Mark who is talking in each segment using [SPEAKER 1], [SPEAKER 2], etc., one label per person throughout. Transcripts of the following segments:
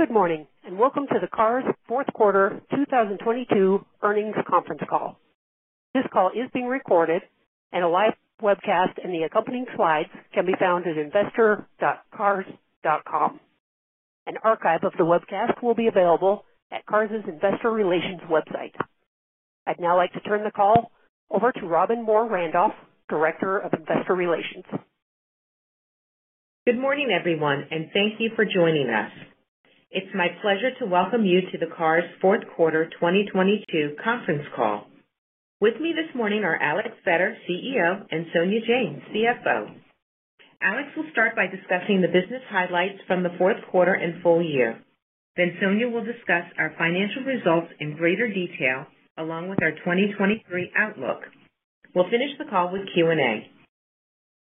[SPEAKER 1] Good morning, welcome to the Cars Fourth Quarter 2022 Earnings Conference Call. This call is being recorded and a live webcast, and the accompanying slides can be found at investor.cars.com. An archive of the webcast will be available at Cars' Investor Relations website. I'd now like to turn the call over to Robbin Moore-Randolph, Director of Investor Relations.
[SPEAKER 2] Good morning, everyone, and thank you for joining us. It's my pleasure to welcome you to the Cars Fourth Quarter 2022 Conference Call. With me this morning are Alex Vetter, CEO, and Sonia Jain, CFO. Alex will start by discussing the business highlights from the fourth quarter and full year. Sonia will discuss our financial results in greater detail, along with our 2023 outlook. We'll finish the call with Q&A.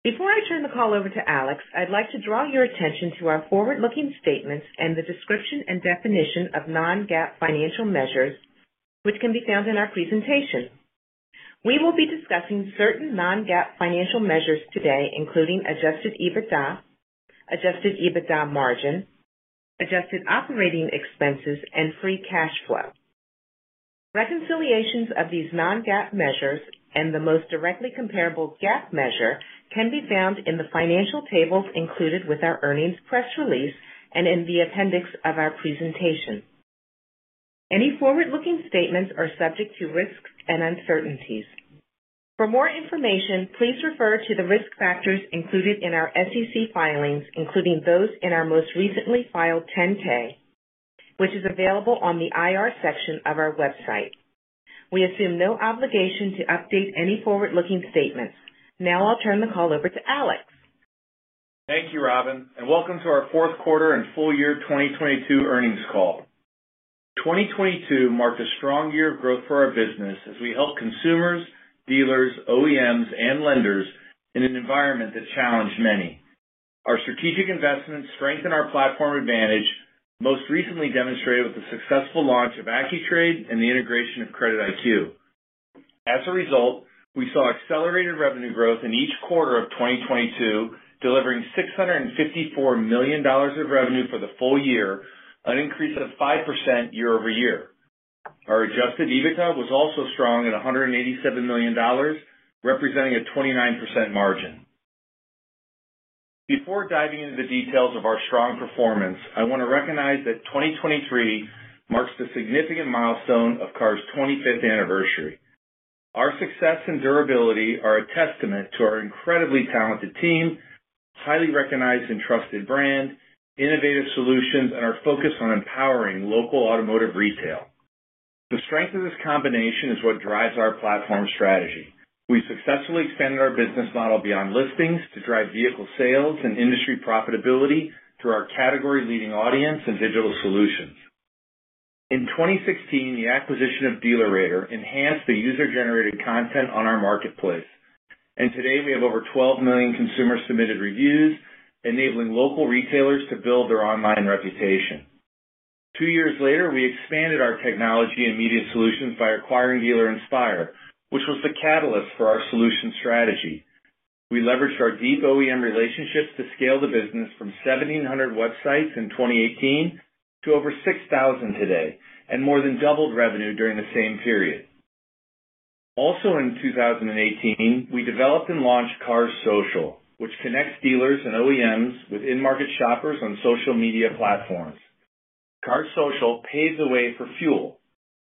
[SPEAKER 2] Before I turn the call over to Alex, I'd like to draw your attention to our forward-looking statements and the description and definition of non-GAAP financial measures, which can be found in our presentation. We will be discussing certain non-GAAP financial measures today, including Adjusted EBITDA, Adjusted EBITDA margin, adjusted operating expenses, and Free Cash Flow. Reconciliations of these non-GAAP measures and the most directly comparable GAAP measure can be found in the financial tables included with our earnings press release and in the appendix of our presentation. Any forward-looking statements are subject to risks and uncertainties. For more information, please refer to the risk factors included in our SEC filings, including those in our most recently filed 10-K, which is available on the IR section of our website. We assume no obligation to update any forward-looking statements. Now I'll turn the call over to Alex.
[SPEAKER 3] Thank you, Robin. Welcome to our fourth quarter and full year 2022 earnings call. 2022 marked a strong year of growth for our business as we helped consumers, dealers, OEMs, and lenders in an environment that challenged many. Our strategic investments strengthen our platform advantage, most recently demonstrated with the successful launch of Accu-Trade and the integration of CreditIQ. As a result, we saw accelerated revenue growth in each quarter of 2022, delivering $654 million of revenue for the full year, an increase of 5% year-over-year. Our Adjusted EBITDA was also strong at $187 million, representing a 29% margin. Before diving into the details of our strong performance, I want to recognize that 2023 marks the significant milestone of Cars' 25th anniversary. Our success and durability are a testament to our incredibly talented team, highly recognized and trusted brand, innovative solutions, and our focus on empowering local automotive retail. The strength of this combination is what drives our platform strategy. We successfully expanded our business model beyond listings to drive vehicle sales and industry profitability through our category-leading audience and digital solutions. In 2016, the acquisition of DealerRater enhanced the user-generated content on our marketplace, and today we have over 12 million consumer-submitted reviews, enabling local retailers to build their online reputation. Two years later, we expanded our technology and media solutions by acquiring Dealer Inspire, which was the catalyst for our solutions strategy. We leveraged our deep OEM relationships to scale the business from 1,700 websites in 2018 to over 6,000 today, and more than doubled revenue during the same period. In 2018, we developed and launched Cars Social, which connects dealers and OEMs with in-market shoppers on social media platforms. Cars Social paved the way for FUEL,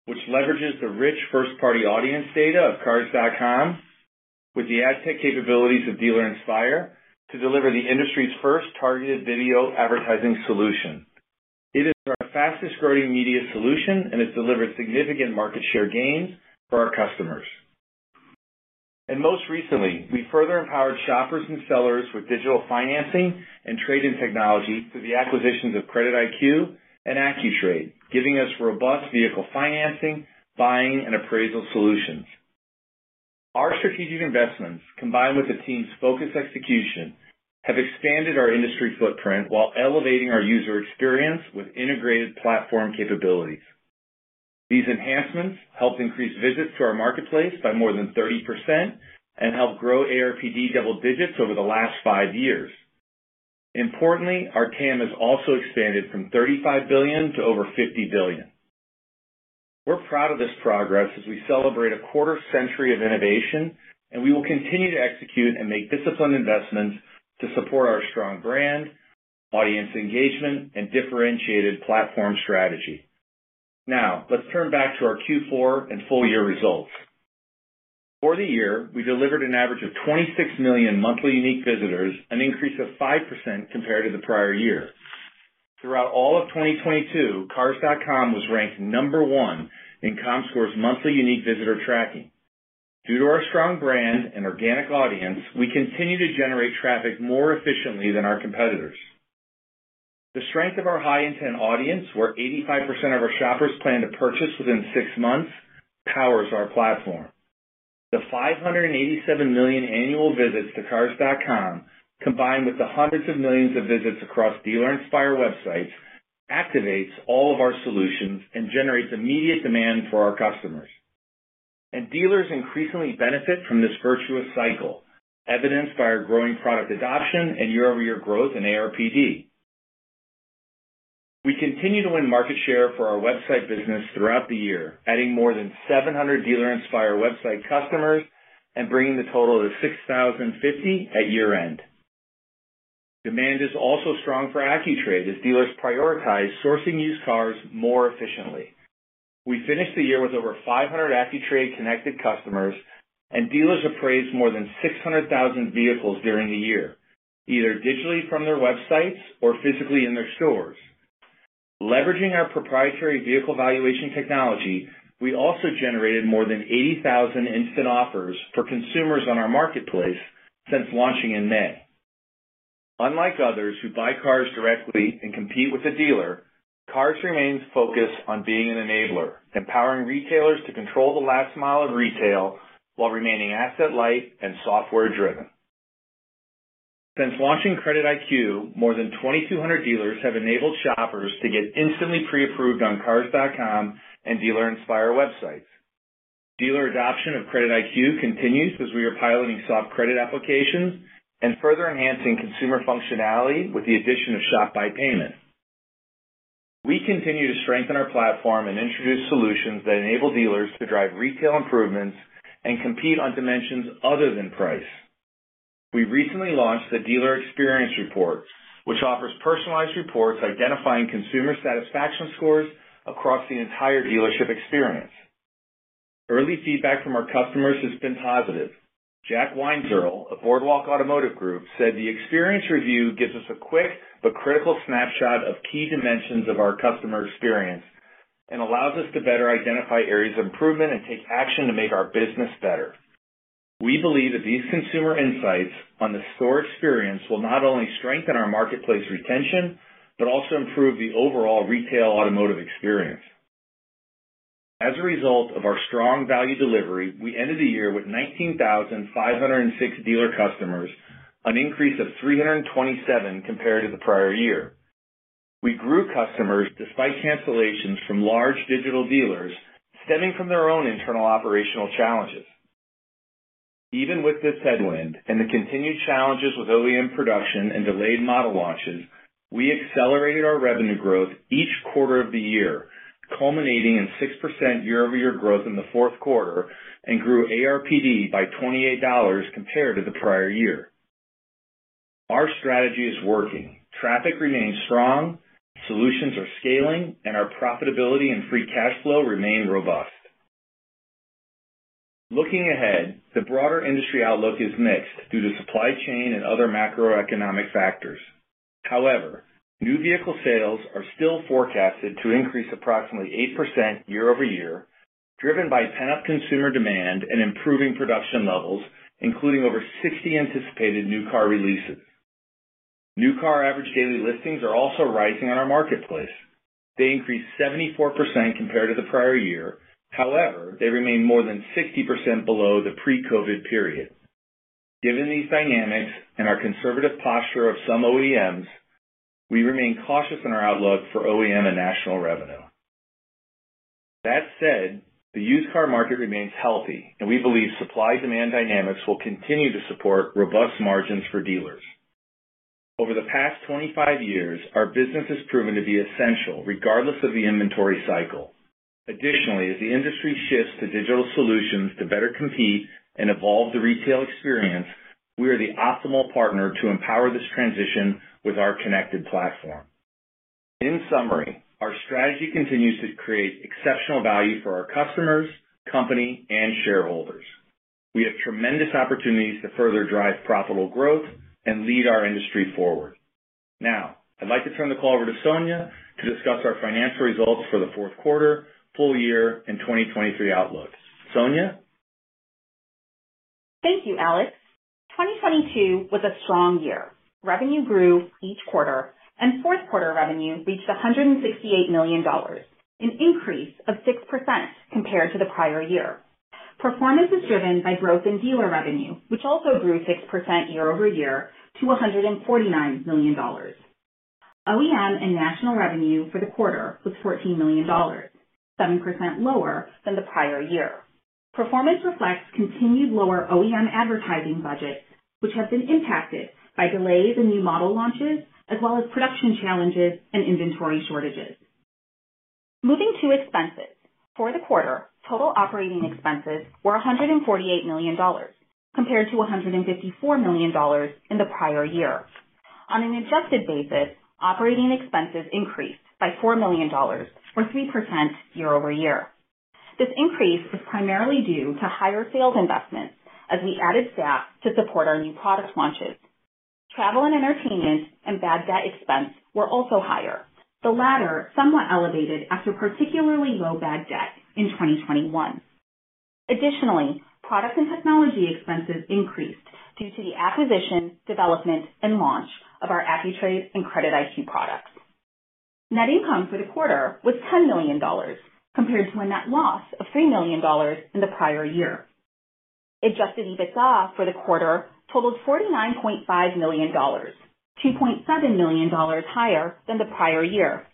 [SPEAKER 3] which leverages the rich first-party audience data of Cars.com with the ad tech capabilities of Dealer Inspire to deliver the industry's first targeted video advertising solution. It is our fastest growing media solution and has delivered significant market share gains for our customers. Most recently, we further empowered shoppers and sellers with digital financing and trading technology through the acquisitions of CreditIQ and Accu-Trade, giving us robust vehicle financing, buying, and appraisal solutions. Our strategic investments, combined with the team's focused execution, have expanded our industry footprint while elevating our user experience with integrated platform capabilities. These enhancements helped increase visits to our marketplace by more than 30% and helped grow ARPD double digits over the last five years. Importantly, our TAM has also expanded from $35 billion to over $50 billion. We will continue to execute and make disciplined investments to support our strong brand, audience engagement, and differentiated platform strategy. Let's turn back to our Q4 and full year results. For the year, we delivered an average of 26 million monthly unique visitors, an increase of 5% compared to the prior year. Throughout all of 2022, Cars.com was ranked number one in Comscore's monthly unique visitor tracking. Due to our strong brand and organic audience, we continue to generate traffic more efficiently than our competitors. The strength of our high intent audience, where 85% of our shoppers plan to purchase within six months, powers our platform. The 587 million annual visits to Cars.com, combined with the hundreds of millions of visits across Dealer Inspire websites, activates all of our solutions and generates immediate demand for our customers. Dealers increasingly benefit from this virtuous cycle, evidenced by our growing product adoption and year-over-year growth in ARPD. We continue to win market share for our website business throughout the year, adding more than 700 Dealer Inspire website customers and bringing the total to 6,050 at year-end. Demand is also strong for Accu-Trade as dealers prioritize sourcing used cars more efficiently. We finished the year with over 500 Accu-Trade Connected customers, and dealers appraised more than 600,000 vehicles during the year, either digitally from their websites or physically in their stores. Leveraging our proprietary vehicle valuation technology, we also generated more than 80,000 Instant Offers for consumers on our marketplace since launching in May. Unlike others who buy cars directly and compete with the dealer, Cars remains focused on being an enabler, empowering retailers to control the last mile of retail while remaining asset light and software driven. Since launching CreditIQ, more than 2,200 dealers have enabled shoppers to get instantly pre-approved on Cars.com and Dealer Inspire websites. Dealer adoption of CreditIQ continues as we are piloting soft credit applications and further enhancing consumer functionality with the addition of Shop by Payment. We continue to strengthen our platform and introduce solutions that enable dealers to drive retail improvements and compete on dimensions other than price. We recently launched the Dealer Experience Report, which offers personalized reports identifying consumer satisfaction scores across the entire dealership experience. Early feedback from our customers has been positive. Jack Weinzierl of Boardwalk Auto Group said the experience review gives us a quick but critical snapshot of key dimensions of our customer experience and allows us to better identify areas of improvement and take action to make our business better. We believe that these consumer insights on the store experience will not only strengthen our marketplace retention, but also improve the overall retail automotive experience. As a result of our strong value delivery, we ended the year with 19,506 dealer customers, an increase of 327 compared to the prior year. We grew customers despite cancellations from large digital dealers stemming from their own internal operational challenges. Even with this headwind and the continued challenges with OEM production and delayed model launches, we accelerated our revenue growth each quarter of the year, culminating in 6% year-over-year growth in the fourth quarter and grew ARPD by $28 compared to the prior year. Our strategy is working. Traffic remains strong, solutions are scaling, and our profitability and Free Cash Flow remain robust. Looking ahead, the broader industry outlook is mixed due to supply chain and other macroeconomic factors. New vehicle sales are still forecasted to increase approximately 8% year-over-year, driven by pent-up consumer demand and improving production levels, including over 60 anticipated new car releases. New car average daily listings are also rising on our marketplace. They increased 74% compared to the prior year. However, they remain more than 60% below the pre-COVID period. Given these dynamics and our conservative posture of some OEMs, we remain cautious in our outlook for OEM and national revenue. That said, the used car market remains healthy, and we believe supply-demand dynamics will continue to support robust margins for dealers. Over the past 25 years, our business has proven to be essential regardless of the inventory cycle. Additionally, as the industry shifts to digital solutions to better compete and evolve the retail experience, we are the optimal partner to empower this transition with our connected platform. In summary, our strategy continues to create exceptional value for our customers, company, and shareholders. We have tremendous opportunities to further drive profitable growth and lead our industry forward. Now, I'd like to turn the call over to Sonia to discuss our financial results for the fourth quarter, full year, and 2023 outlooks. Sonia?
[SPEAKER 4] Thank you, Alex. 2022 was a strong year. Revenue grew each quarter, and fourth quarter revenue reached $168 million, an increase of 6% compared to the prior year. Performance was driven by growth in dealer revenue, which also grew 6% year-over-year to $149 million. OEM and national revenue for the quarter was $14 million, 7% lower than the prior year. Performance reflects continued lower OEM advertising budgets, which have been impacted by delays in new model launches as well as production challenges and inventory shortages. Moving to expenses. For the quarter, total operating expenses were $148 million compared to $154 million in the prior year. On an adjusted basis, operating expenses increased by $4 million or 3% year-over-year. This increase was primarily due to higher sales investments as we added staff to support our new product launches. Travel and entertainment and bad debt expense were also higher, the latter somewhat elevated after particularly low bad debt in 2021. Additionally, product and technology expenses increased due to the acquisition, development, and launch of our Accu-Trade and CreditIQ products. Net income for the quarter was $10 million, compared to a net loss of $3 million in the prior year. Adjusted EBITDA for the quarter totaled $49.5 million, $2.7 million higher than the prior year.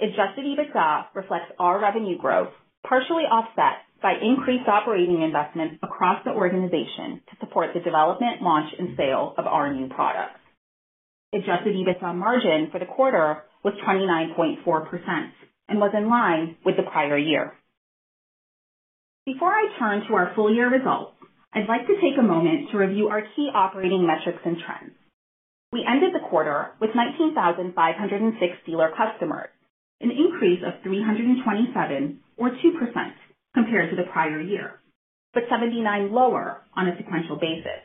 [SPEAKER 4] Adjusted EBITDA reflects our revenue growth, partially offset by increased operating investments across the organization to support the development, launch, and sale of our new products. Adjusted EBITDA margin for the quarter was 29.4% and was in line with the prior year. Before I turn to our full year results, I'd like to take a moment to review our key operating metrics and trends. We ended the quarter with 19,506 dealer customers, an increase of 327 or 2% compared to the prior year, but 79 lower on a sequential basis.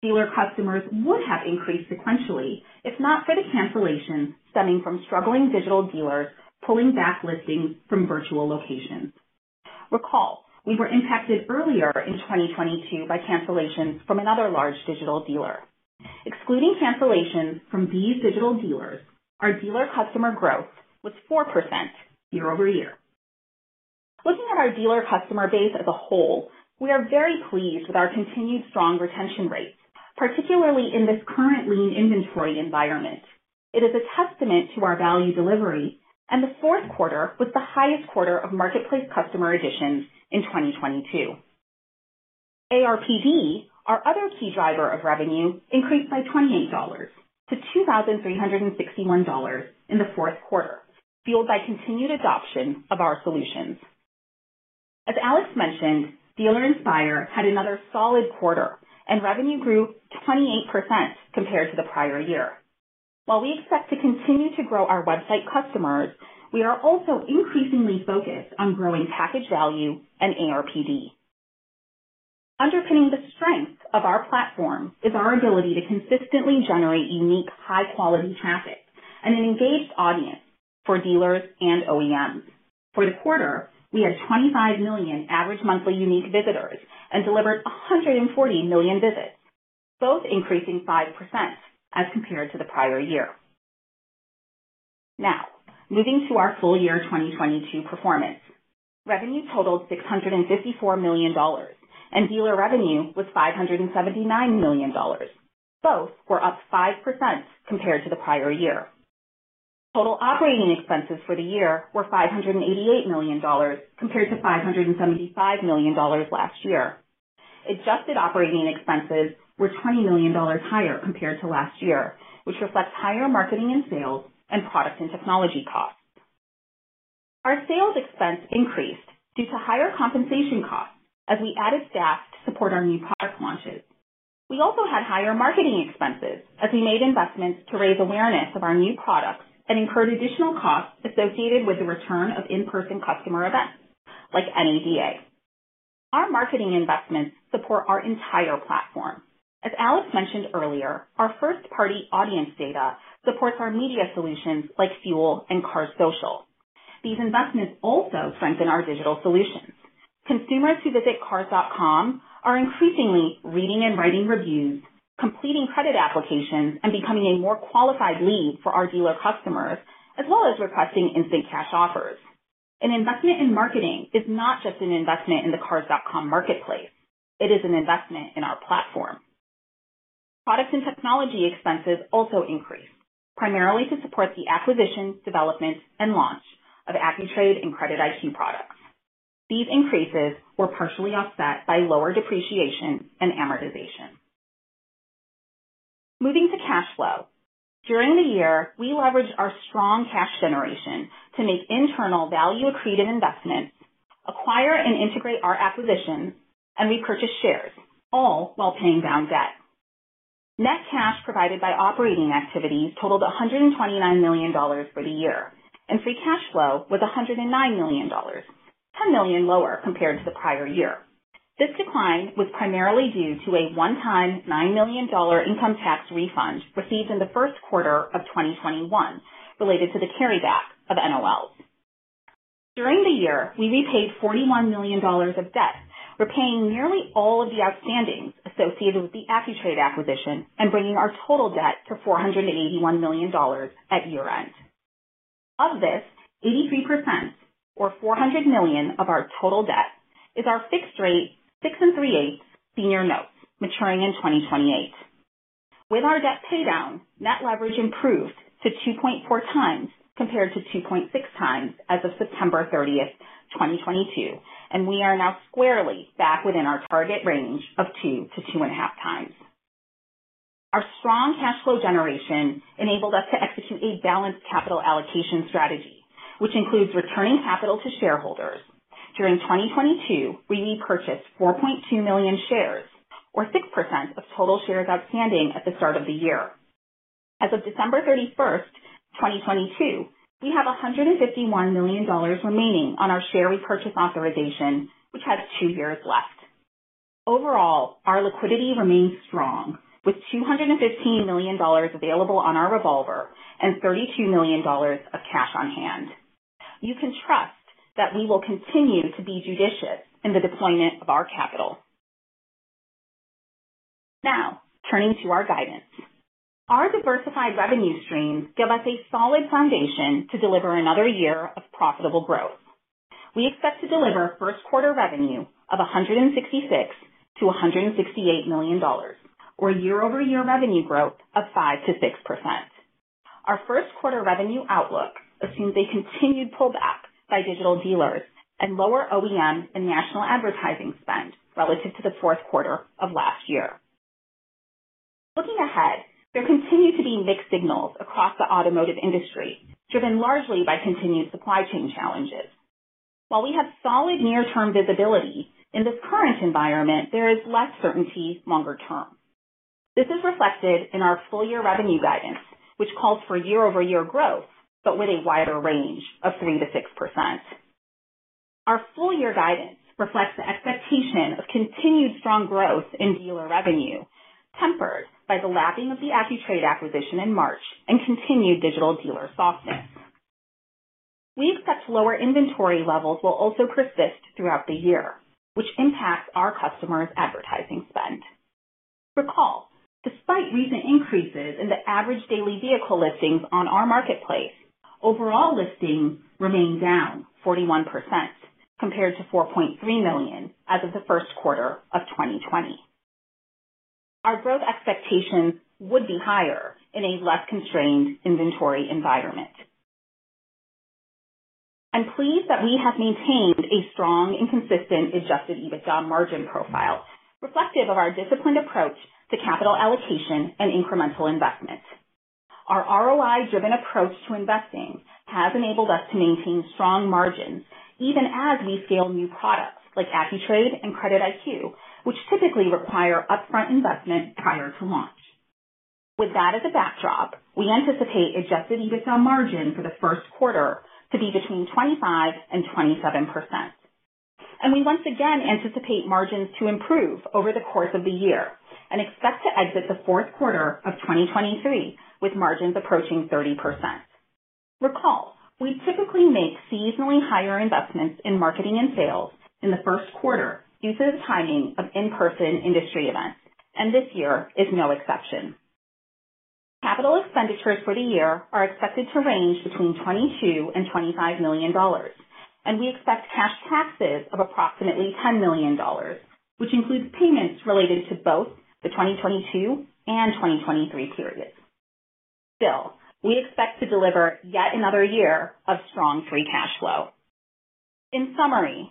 [SPEAKER 4] Dealer customers would have increased sequentially if not for the cancellations stemming from struggling digital dealers pulling back listings from virtual locations. Recall, we were impacted earlier in 2022 by cancellations from another large digital dealer. Excluding cancellations from these digital dealers, our dealer customer growth was 4% year-over-year. Looking at our dealer customer base as a whole, we are very pleased with our continued strong retention rates, particularly in this current lean inventory environment. It is a testament to our value delivery. The fourth quarter was the highest quarter of marketplace customer additions in 2022. ARPD, our other key driver of revenue, increased by $28 to $2,361 in the fourth quarter, fueled by continued adoption of our solutions. As Alex mentioned, Dealer Inspire had another solid quarter and revenue grew 28% compared to the prior year. While we expect to continue to grow our website customers, we are also increasingly focused on growing package value and ARPD. Underpinning the strength of our platform is our ability to consistently generate unique, high quality traffic and an engaged audience for dealers and OEMs. For the quarter, we had 25 million average monthly unique visitors and delivered 140 million visits, both increasing 5% as compared to the prior year. Moving to our full year 2022 performance. Revenue totaled $654 million, and dealer revenue was $579 million. Both were up 5% compared to the prior year. Total operating expenses for the year were $588 million compared to $575 million last year. Adjusted operating expenses were $20 million higher compared to last year, which reflects higher marketing and sales and product and technology costs. Our sales expense increased due to higher compensation costs as we added staff to support our new product launches. We also had higher marketing expenses as we made investments to raise awareness of our new products and incurred additional costs associated with the return of in-person customer events like NADA. Our marketing investments support our entire platform. As Alex mentioned earlier, our first party audience data supports our media solutions like FUEL and Cars Social. These investments also strengthen our digital solutions. Consumers who visit cars.com are increasingly reading and writing reviews, completing credit applications, and becoming a more qualified lead for our dealer customers, as well as requesting Instant Cash Offers. An investment in marketing is not just an investment in the cars.com marketplace, it is an investment in our platform. Product and technology expenses also increased primarily to support the acquisition, development, and launch of Accu-Trade and CreditIQ products. These increases were partially offset by lower depreciation and amortization. Moving to cash flow. During the year, we leveraged our strong cash generation to make internal value accretive investments, acquire and integrate our acquisitions, and repurchase shares, all while paying down debt. Net cash provided by operating activities totaled $129 million for the year, and Free Cash Flow was $109 million, $10 million lower compared to the prior year. This decline was primarily due to a one-time $9 million income tax refund received in the first quarter of 2021 related to the carryback of NOL. During the year, we repaid $41 million of debt, repaying nearly all of the outstanding associated with the Accu-Trade acquisition and bringing our total debt to $481 million at year-end. Of this, 83% or $400 million of our total debt is our fixed rate 6 3/8% Senior Notes maturing in 2028. With our debt pay down, net leverage improved to 2.4x compared to 2.6x as of September 30, 2022, and we are now squarely back within our target range of 2x-2.5x. Our strong cash flow generation enabled us to execute a balanced capital allocation strategy, which includes returning capital to shareholders. During 2022, we repurchased 4.2 million shares or 6% of total shares outstanding at the start of the year. As of December 31st, 2022, we have $151 million remaining on our share repurchase authorization, which has two years left. Overall, our liquidity remains strong with $215 million available on our revolver and $32 million of cash on hand. You can trust that we will continue to be judicious in the deployment of our capital. Turning to our guidance. Our diversified revenue streams give us a solid foundation to deliver another year of profitable growth. We expect to deliver first quarter revenue of $166 million-$168 million, or year-over-year revenue growth of 5%-6%. Our first quarter revenue outlook assumes a continued pullback by digital dealers and lower OEM and national advertising spend relative to the fourth quarter of last year. Looking ahead, there continue to be mixed signals across the automotive industry, driven largely by continued supply chain challenges. While we have solid near term visibility, in this current environment, there is less certainty longer term. This is reflected in our full year revenue guidance, which calls for year-over-year growth but with a wider range of 3%-6%. Our full year guidance reflects the expectation of continued strong growth in dealer revenue, tempered by the lapping of the Accu-Trade acquisition in March and continued digital dealer softness. We expect lower inventory levels will also persist throughout the year, which impacts our customers' advertising spend. Recall, despite recent increases in the average daily vehicle listings on our marketplace, overall listings remain down 41% compared to $4.3 million as of the first quarter of 2020. Our growth expectations would be higher in a less constrained inventory environment. I'm pleased that we have maintained a strong and consistent Adjusted EBITDA margin profile reflective of our disciplined approach to capital allocation and incremental investment. Our ROI-driven approach to investing has enabled us to maintain strong margins even as we scale new products like Accu-Trade and CreditIQ, which typically require upfront investment prior to launch. With that as a backdrop, we anticipate Adjusted EBITDA margin for the first quarter to be between 25% and 27%. We once again anticipate margins to improve over the course of the year and expect to exit the fourth quarter of 2023 with margins approaching 30%. Recall, we typically make seasonally higher investments in marketing and sales in the first quarter due to the timing of in-person industry events, and this year is no exception. Capital expenditures for the year are expected to range between $22 million and $25 million, and we expect cash taxes of approximately $10 million, which includes payments related to both the 2022 and 2023 periods. Still, we expect to deliver yet another year of strong Free Cash Flow. In summary,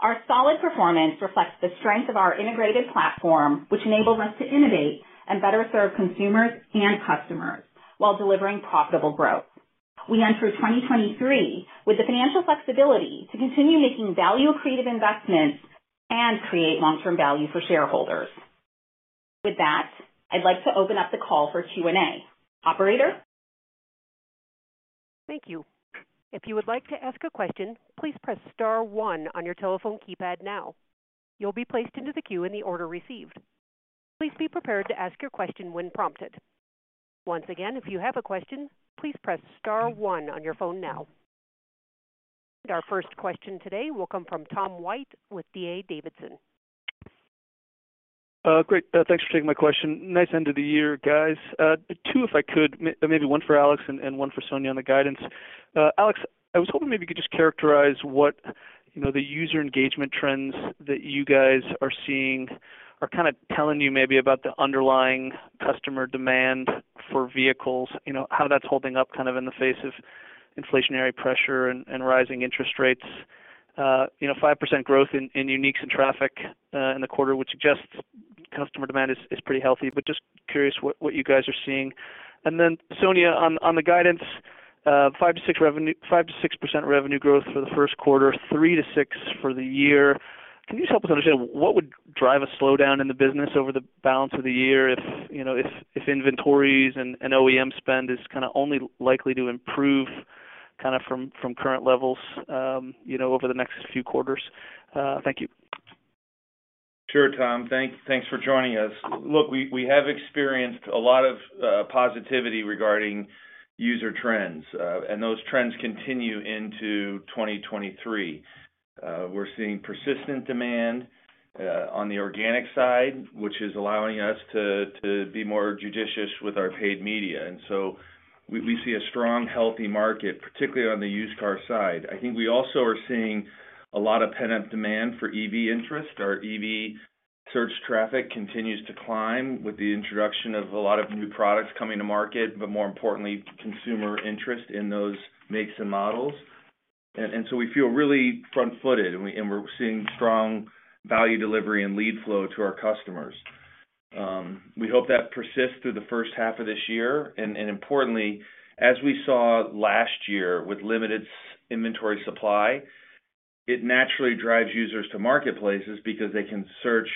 [SPEAKER 4] our solid performance reflects the strength of our integrated platform, which enables us to innovate and better serve consumers and customers while delivering profitable growth. We enter 2023 with the financial flexibility to continue making value creative investments and create long-term value for shareholders. With that, I'd like to open up the call for Q&A. Operator?
[SPEAKER 1] Thank you. If you would like to ask a question, please press star one on your telephone keypad now. You'll be placed into the queue in the order received. Please be prepared to ask your question when prompted. Once again, if you have a question, please press star one on your phone now. Our first question today will come from Tom White with D.A. Davidson.
[SPEAKER 5] Great, thanks for taking my question. Nice end of the year, guys. Two, if I could. Maybe one for Alex Vetter and one for Sonia Jain on the guidance. Alex Vetter, I was hoping maybe you could just characterize what, you know, the user engagement trends that you guys are seeing are kinda telling you maybe about the underlying customer demand for vehicles, you know, how that's holding up kind of in the face of inflationary pressure and rising interest rates. You know, 5% growth in uniques and traffic in the quarter would suggest customer demand is pretty healthy, but just curious what you guys are seeing. Sonia, on the guidance, 5%-6% revenue growth for the first quarter, 3%-6% for the year. Can you just help us understand what would drive a slowdown in the business over the balance of the year if, you know, if inventories and OEM spend is kinda only likely to improve kinda from current levels, you know, over the next few quarters? Thank you.
[SPEAKER 3] Sure, Tom. Thanks for joining us. Look, we have experienced a lot of positivity regarding user trends, and those trends continue into 2023. We're seeing persistent demand on the organic side, which is allowing us to be more judicious with our paid media. We see a strong, healthy market, particularly on the used car side. I think we also are seeing a lot of pent-up demand for EV interest. Our EV search traffic continues to climb with the introduction of a lot of new products coming to market, but more importantly, consumer interest in those makes and models. We feel really front-footed and we're seeing strong value delivery and lead flow to our customers. We hope that persists through the first half of this year. Importantly, as we saw last year with limited inventory supply, it naturally drives users to marketplaces because they can search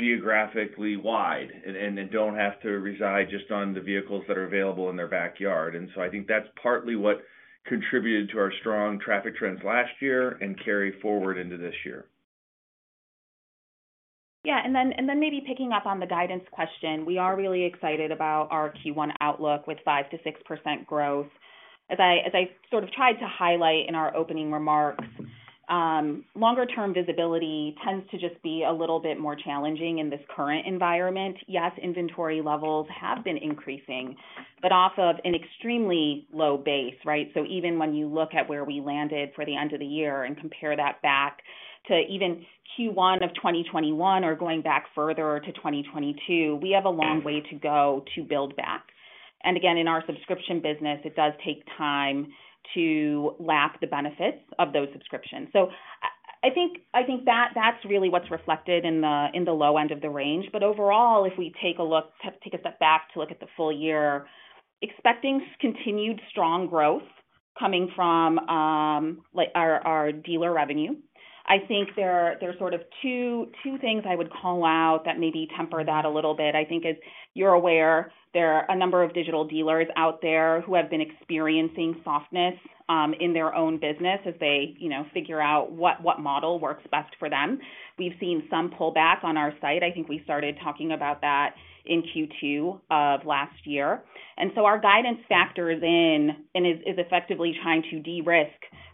[SPEAKER 3] geographically wide, and they don't have to reside just on the vehicles that are available in their backyard. I think that's partly what contributed to our strong traffic trends last year and carry forward into this year.
[SPEAKER 4] Yeah. Maybe picking up on the guidance question, we are really excited about our Q1 outlook with 5%-6% growth. As I sort of tried to highlight in our opening remarks, longer term visibility tends to just be a little bit more challenging in this current environment. Yes, inventory levels have been increasing, but off of an extremely low base, right? Even when you look at where we landed for the end of the year and compare that back to even Q1 of 2021 or going back further to 2022, we have a long way to go to build back. Again, in our subscription business, it does take time to lap the benefits of those subscriptions. I think that's really what's reflected in the low end of the range. Overall, if we take a step back to look at the full year, expecting continued strong growth coming from, like our dealer revenue. I think there are sort of two things I would call out that maybe temper that a little bit. I think as you're aware, there are a number of digital dealers out there who have been experiencing softness in their own business as they, you know, figure out what model works best for them. We've seen some pullback on our site. I think we started talking about that in Q2 of last year. Our guidance factors in and is effectively trying to de-risk for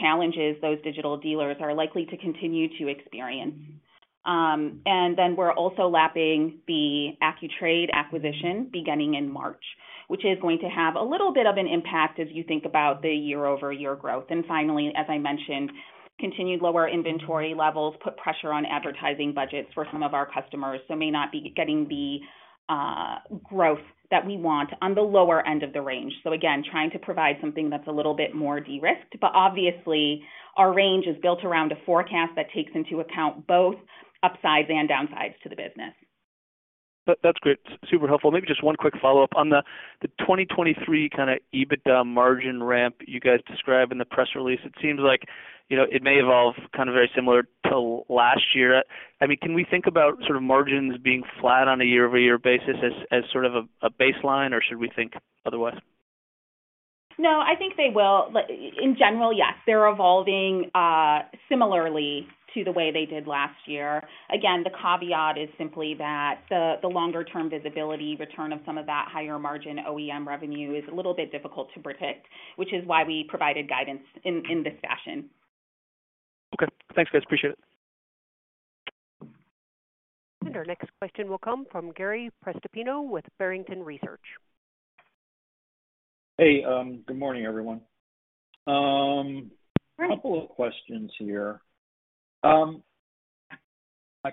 [SPEAKER 4] challenges those digital dealers are likely to continue to experience. We're also lapping the Accu-Trade acquisition beginning in March, which is going to have a little bit of an impact as you think about the year-over-year growth. Finally, as I mentioned, continued lower inventory levels put pressure on advertising budgets for some of our customers, so may not be getting the growth that we want on the lower end of the range. Again, trying to provide something that's a little bit more de-risked. Obviously, our range is built around a forecast that takes into account both upsides and downsides to the business.
[SPEAKER 5] That's great. Super helpful. Maybe just one quick follow-up. On the 2023 kind of EBITDA margin ramp you guys described in the press release, it seems like, you know, it may evolve kind of very similar to last year. I mean, can we think about sort of margins being flat on a year-over-year basis as sort of a baseline, or should we think otherwise?
[SPEAKER 4] No, I think they will. Like, in general, yes. They're evolving similarly to the way they did last year. The caveat is simply that the longer term visibility return of some of that higher margin OEM revenue is a little bit difficult to predict, which is why we provided guidance in this fashion.
[SPEAKER 5] Okay. Thanks, guys. Appreciate it.
[SPEAKER 1] Our next question will come from Gary Prestopino with Barrington Research.
[SPEAKER 6] Hey, good morning, everyone.
[SPEAKER 4] Hi.
[SPEAKER 6] A couple of questions here. I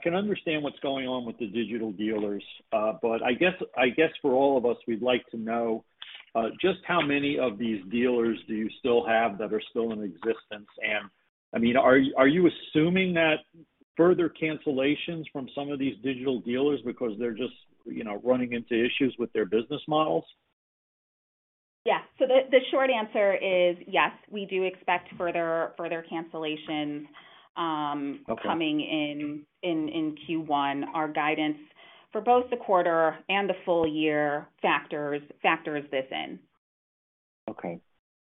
[SPEAKER 6] can understand what's going on with the digital dealers, but I guess for all of us, we'd like to know, just how many of these dealers do you still have that are still in existence? I mean, are you assuming that further cancellations from some of these digital dealers because they're just, you know, running into issues with their business models?
[SPEAKER 4] Yeah. The short answer is yes. We do expect further cancellations.
[SPEAKER 6] Okay....
[SPEAKER 4] coming in Q1. Our guidance for both the quarter and the full year factors this in.
[SPEAKER 6] Okay.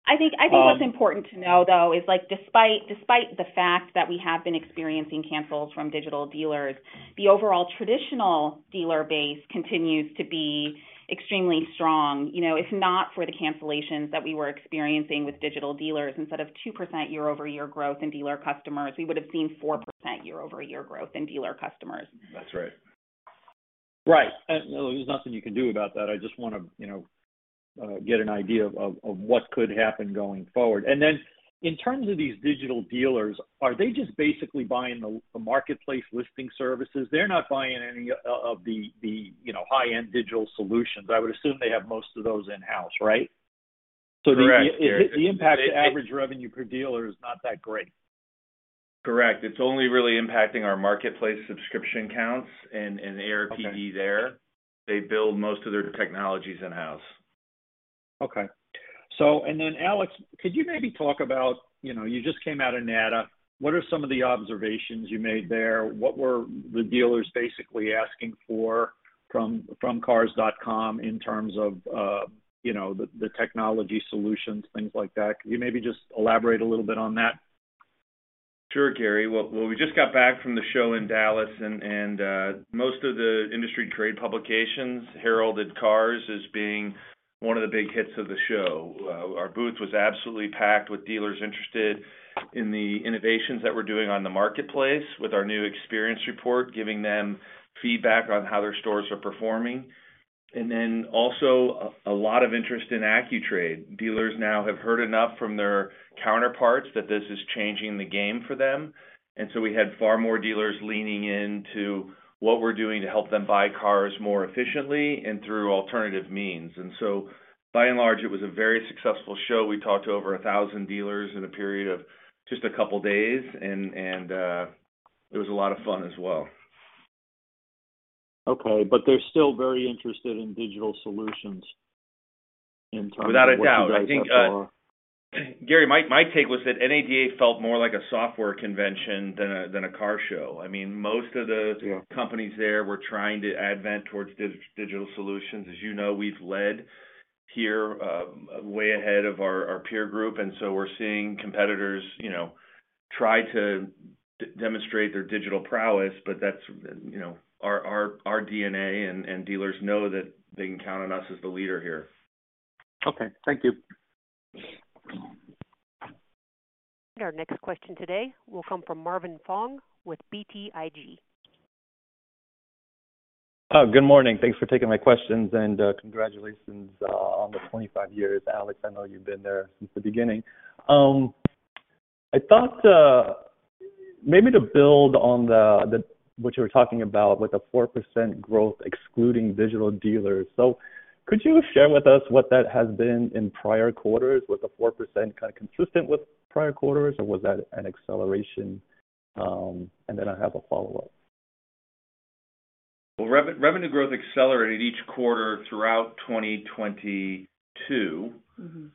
[SPEAKER 4] I think what's important to know, though, is like despite the fact that we have been experiencing cancels from digital dealers, the overall traditional dealer base continues to be extremely strong. You know, if not for the cancellations that we were experiencing with digital dealers, instead of 2% year-over-year growth in dealer customers, we would have seen 4% year-over-year growth in dealer customers.
[SPEAKER 3] That's right.
[SPEAKER 6] Right. There's nothing you can do about that. I just wanna, you know, get an idea of what could happen going forward. In terms of these digital dealers, are they just basically buying the marketplace listing services? They're not buying any of the, you know, high-end digital solutions. I would assume they have most of those in-house, right?
[SPEAKER 3] Correct, Gary.
[SPEAKER 6] The impact to average revenue per dealer is not that great.
[SPEAKER 3] Correct. It's only really impacting our marketplace subscription counts and.
[SPEAKER 6] Okay.
[SPEAKER 3] ARPD there. They build most of their technologies in-house.
[SPEAKER 6] Alex, could you maybe talk about, you know, you just came out of NADA, what are some of the observations you made there? What were the dealers basically asking for from Cars.com in terms of, you know, the technology solutions, things like that? Could you maybe just elaborate a little bit on that?
[SPEAKER 3] Sure, Gary. Well, we just got back from the show in Dallas, and most of the industry trade publications heralded Cars as being one of the big hits of the show. Our booth was absolutely packed with dealers interested in the innovations that we're doing on the marketplace with our new Experience Report, giving them feedback on how their stores are performing. Also a lot of interest in Accu-Trade. Dealers now have heard enough from their counterparts that this is changing the game for them. We had far more dealers leaning into what we're doing to help them buy cars more efficiently and through alternative means. By and large, it was a very successful show. We talked to over 1,000 dealers in a period of just a couple days, and it was a lot of fun as well.
[SPEAKER 6] Okay. They're still very interested in digital solutions in terms of what you guys offer.
[SPEAKER 3] Without a doubt. I think, Gary, my take was that NADA felt more like a software convention than a car show. I mean, most of-
[SPEAKER 6] Yeah....
[SPEAKER 3] companies there were trying to advent towards digital solutions. As you know, we've led here, way ahead of our peer group. We're seeing competitors, you know, try to demonstrate their digital prowess, but that's, you know, our DNA and dealers know that they can count on us as the leader here.
[SPEAKER 6] Okay. Thank you.
[SPEAKER 1] Our next question today will come from Marvin Fong with BTIG.
[SPEAKER 7] Good morning. Thanks for taking my questions, and congratulations on the 25 years. Alex, I know you've been there since the beginning. I thought maybe to build on what you were talking about with the 4% growth excluding digital dealers. Could you share with us what that has been in prior quarters? Was the 4% kind of consistent with prior quarters, or was that an acceleration? Then I have a follow-up.
[SPEAKER 3] Well, revenue growth accelerated each quarter throughout 2022.
[SPEAKER 7] Mm-hmm.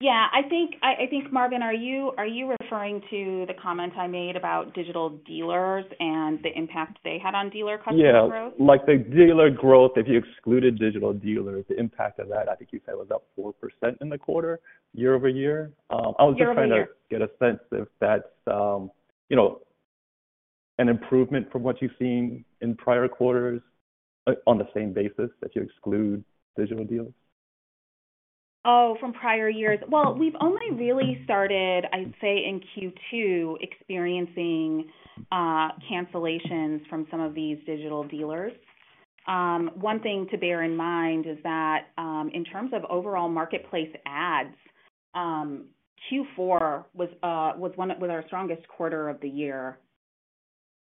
[SPEAKER 4] Yeah. I think, Marvin, are you referring to the comment I made about digital dealers and the impact they had on dealer customer growth?
[SPEAKER 7] Yeah. Like the dealer growth, if you excluded digital dealers, the impact of that, I think you said was up 4% in the quarter year-over-year.
[SPEAKER 4] Year-over-year.
[SPEAKER 7] I was just trying to get a sense if that's, you know, an improvement from what you've seen in prior quarters on the same basis if you exclude digital deals.
[SPEAKER 4] Oh, from prior years. Well, we've only really started, I'd say, in Q2, experiencing cancellations from some of these digital dealers. One thing to bear in mind is that in terms of overall marketplace ads, Q4 was our strongest quarter of the year.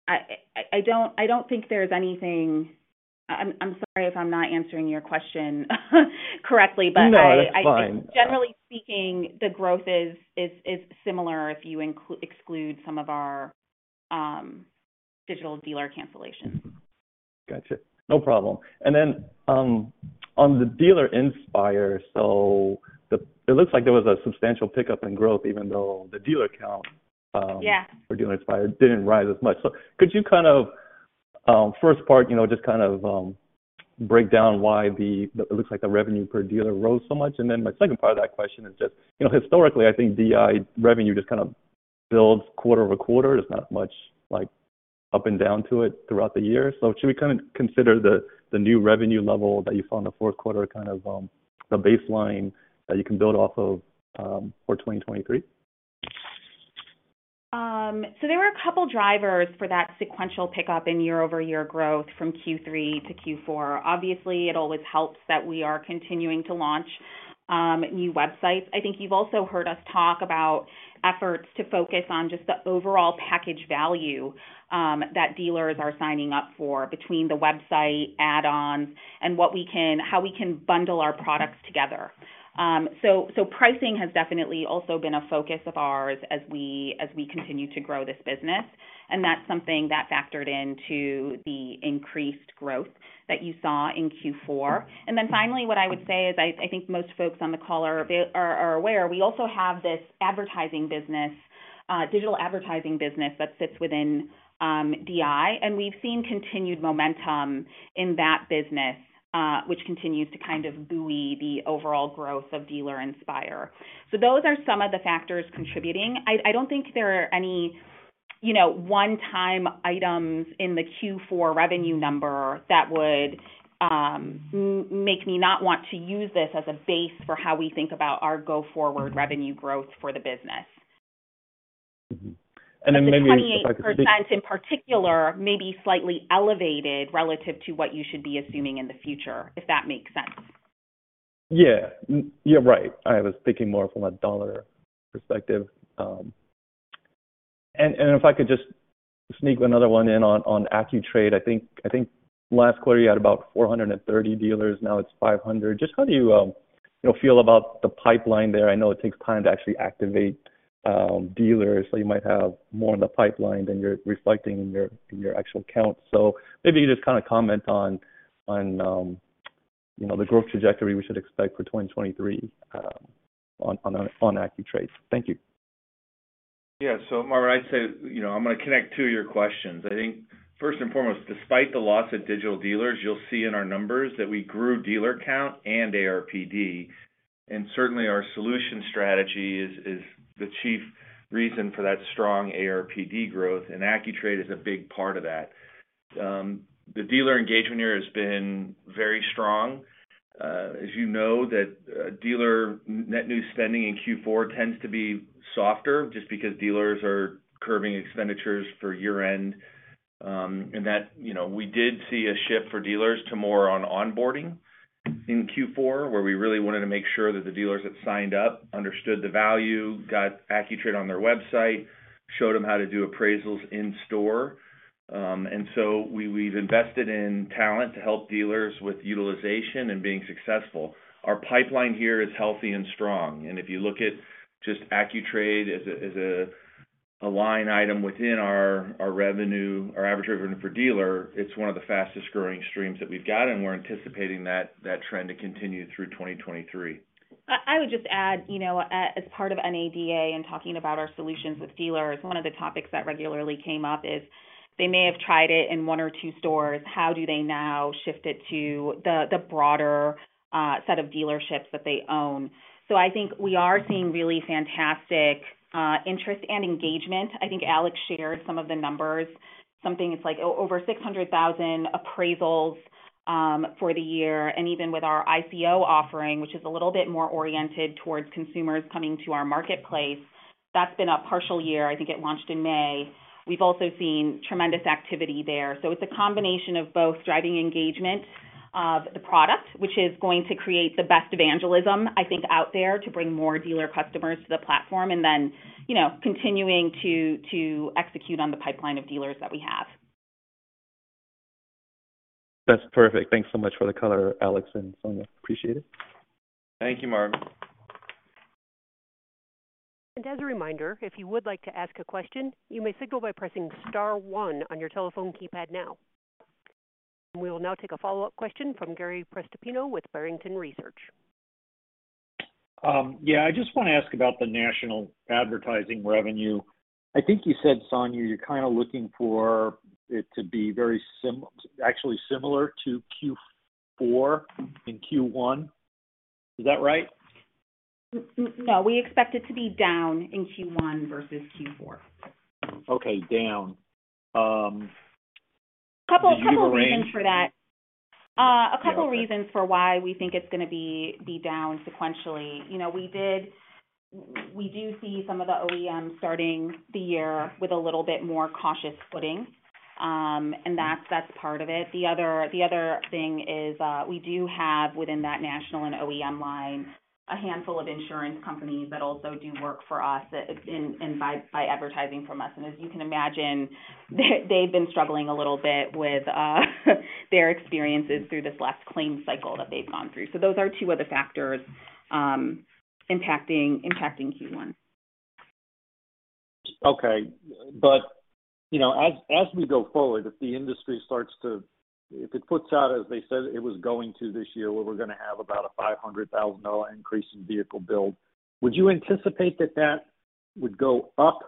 [SPEAKER 4] I don't, I don't think there's anything... I'm sorry if I'm not answering your question correctly, but I-
[SPEAKER 7] No, that's fine.
[SPEAKER 4] I think generally speaking, the growth is similar if you exclude some of our digital dealer cancellations.
[SPEAKER 7] Gotcha. No problem. On the Dealer Inspire. It looks like there was a substantial pickup in growth even though the dealer count.
[SPEAKER 4] Yeah.
[SPEAKER 7] For Dealer Inspire didn't rise as much. Could you kind of, first part, you know, just kind of, break down why it looks like the revenue per dealer rose so much? And then my second part of that question is just, you know, historically, I think DI revenue just kind of builds quarter-over-quarter. There's not much like up and down to it throughout the year. Should we kind of consider the new revenue level that you saw in the fourth quarter, kind of, the baseline that you can build off of, for 2023?
[SPEAKER 4] There were a couple drivers for that sequential pickup in year-over-year growth from Q3 to Q4. Obviously, it always helps that we are continuing to launch new websites. I think you've also heard us talk about efforts to focus on just the overall package value that dealers are signing up for between the website add-ons and how we can bundle our products together. Pricing has definitely also been a focus of ours as we continue to grow this business, and that's something that factored into the increased growth that you saw in Q4. Finally, what I would say is I think most folks on the call are aware, we also have this advertising business, digital advertising business that sits within DI, and we've seen continued momentum in that business, which continues to kind of buoy the overall growth of Dealer Inspire. Those are some of the factors contributing. I don't think there are any, you know, one-time items in the Q4 revenue number that would make me not want to use this as a base for how we think about our go-forward revenue growth for the business.
[SPEAKER 7] Mm-hmm.
[SPEAKER 4] The 28% in particular may be slightly elevated relative to what you should be assuming in the future, if that makes sense.
[SPEAKER 7] Yeah. Right. I was thinking more from a dollar perspective. And if I could just sneak another one in on Accu-Trade. I think last quarter you had about 430 dealers, now it's 500. Just how do you know, feel about the pipeline there? I know it takes time to actually activate dealers, so you might have more in the pipeline than you're reflecting in your actual count. Maybe you just kinda comment on, you know, the growth trajectory we should expect for 2023 on Accu-Trade. Thank you.
[SPEAKER 3] Marvin, I'd say, you know, I'm gonna connect two of your questions. I think first and foremost, despite the loss of digital dealers, you'll see in our numbers that we grew dealer count and ARPD, and certainly our solution strategy is the chief reason for that strong ARPD growth, and Accu-Trade is a big part of that. The dealer engagement here has been very strong. As you know, that dealer net new spending in Q4 tends to be softer just because dealers are curving expenditures for year-end. That, you know, we did see a shift for dealers to more on onboarding in Q4, where we really wanted to make sure that the dealers that signed up understood the value, got Accu-Trade on their website, showed them how to do appraisals in store. We've invested in talent to help dealers with utilization and being successful. Our pipeline here is healthy and strong. If you look at just Accu-Trade as a line item within our revenue, our average revenue per dealer, it's one of the fastest-growing streams that we've got, and we're anticipating that trend to continue through 2023.
[SPEAKER 4] I would just add, you know, as part of NADA and talking about our solutions with dealers, one of the topics that regularly came up is they may have tried it in one or two stores. How do they now shift it to the broader set of dealerships that they own? I think we are seeing really fantastic interest and engagement. I think Alex shared some of the numbers. Something, it's like over 600,000 appraisals for the year. And even with our IPO offering, which is a little bit more oriented towards consumers coming to our marketplace, that's been a partial year. I think it launched in May. We've also seen tremendous activity there. It's a combination of both driving engagement of the product, which is going to create the best evangelism, I think, out there to bring more dealer customers to the platform and then, you know, continuing to execute on the pipeline of dealers that we have.
[SPEAKER 7] That's perfect. Thanks so much for the color, Alex and Sonia. Appreciate it.
[SPEAKER 3] Thank you, Marvin.
[SPEAKER 1] As a reminder, if you would like to ask a question, you may signal by pressing star one on your telephone keypad now. We will now take a follow-up question from Gary Prestopino with Barrington Research.
[SPEAKER 6] I just wanna ask about the national advertising revenue. I think you said, Sonia, you're kinda looking for it to be actually similar to Q4 in Q1. Is that right?
[SPEAKER 4] No, we expect it to be down in Q1 versus Q4.
[SPEAKER 6] Okay, down. Do you arrange-
[SPEAKER 4] A couple reasons for that.
[SPEAKER 6] Yeah, okay.
[SPEAKER 4] A couple reasons for why we think it's gonna be down sequentially. You know, we do see some of the OEM starting the year with a little bit more cautious footing, and that's part of it. The other thing is, we do have within that national and OEM line, a handful of insurance companies that also do work for us in, by advertising from us. As you can imagine, they've been struggling a little bit with their experiences through this last claim cycle that they've gone through. Those are two other factors impacting Q1.
[SPEAKER 6] Okay. You know, as we go forward, if the industry starts to if it puts out as they said it was going to this year, where we're gonna have about a $500,000 increase in vehicle build, would you anticipate that that would go up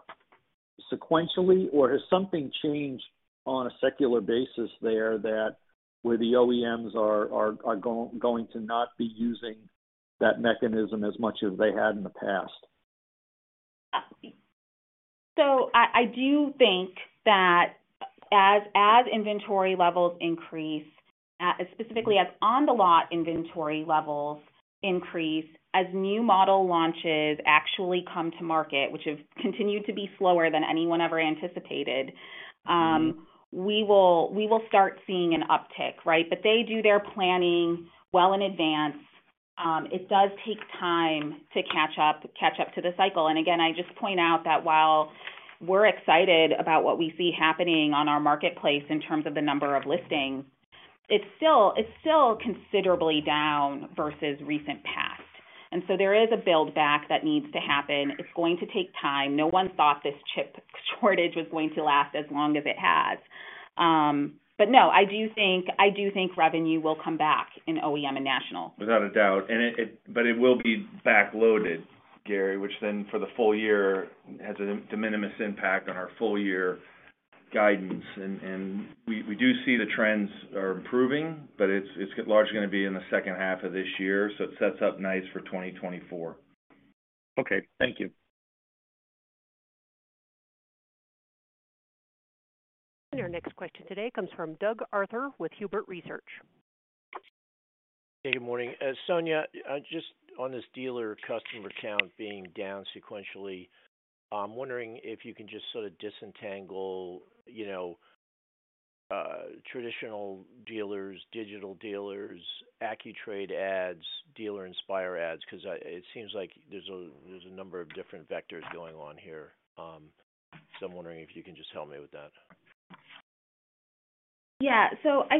[SPEAKER 6] sequentially? Has something changed on a secular basis there that where the OEMs are going to not be using that mechanism as much as they had in the past?
[SPEAKER 4] I do think that as inventory levels increase, specifically as on-the-lot inventory levels increase, as new model launches actually come to market, which have continued to be slower than anyone ever anticipated, we will start seeing an uptick, right? They do their planning well in advance. It does take time to catch up to the cycle. Again, I just point out that while we're excited about what we see happening on our marketplace in terms of the number of listings, it's still considerably down versus recent past. There is a build back that needs to happen. It's going to take time. No one thought this chip shortage was going to last as long as it has. No, I do think revenue will come back in OEM and national.
[SPEAKER 3] Without a doubt. It will be back-loaded, Gary, which then for the full year has a de minimis impact on our full year guidance. We do see the trends are improving, but it's largely gonna be in the second half of this year. It sets up nice for 2024.
[SPEAKER 6] Okay. Thank you.
[SPEAKER 1] Our next question today comes from Doug Arthur with Huber Research.
[SPEAKER 8] Hey, good morning. Sonia, just on this dealer customer count being down sequentially, I'm wondering if you can just sort of disentangle, you know, traditional dealers, digital dealers, Accu-Trade ads, Dealer Inspire ads, 'cause it seems like there's a number of different vectors going on here. I'm wondering if you can just help me with that.
[SPEAKER 4] I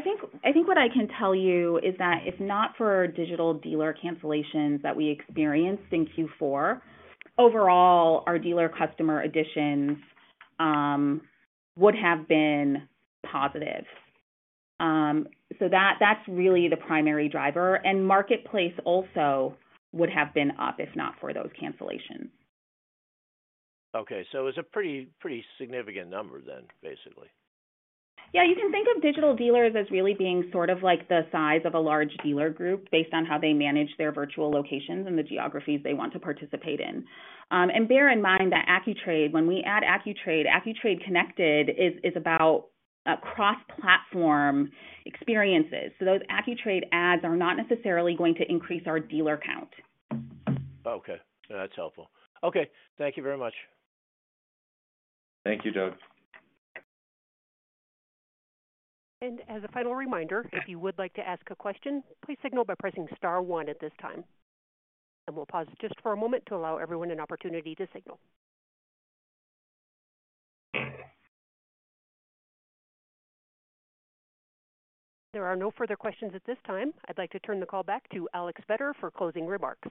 [SPEAKER 4] think what I can tell you is that if not for our digital dealer cancellations that we experienced in Q4, overall, our dealer customer additions would have been positive. That's really the primary driver. Marketplace also would have been up if not for those cancellations.
[SPEAKER 8] Okay. It's a pretty significant number then, basically.
[SPEAKER 4] Yeah. You can think of digital dealers as really being sort of like the size of a large dealer group based on how they manage their virtual locations and the geographies they want to participate in. Bear in mind that Accu-Trade, when we add Accu-Trade, Accu-Trade Connected is about cross-platform experiences. Those Accu-Trade ads are not necessarily going to increase our dealer count.
[SPEAKER 8] Okay. That's helpful. Okay. Thank you very much.
[SPEAKER 3] Thank you, Doug.
[SPEAKER 1] As a final reminder, if you would like to ask a question, please signal by pressing star one at this time. We'll pause just for a moment to allow everyone an opportunity to signal. There are no further questions at this time. I'd like to turn the call back to Alex Vetter for closing remarks.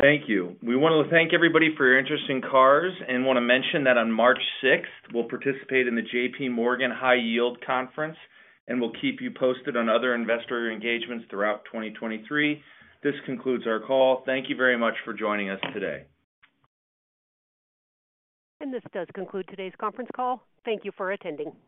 [SPEAKER 3] Thank you. We want to thank everybody for your interest in CARS and wanna mention that on March 6th, we'll participate in the JPMorgan High Yield Conference. We'll keep you posted on other investor engagements throughout 2023. This concludes our call. Thank you very much for joining us today.
[SPEAKER 1] This does conclude today's conference call. Thank you for attending.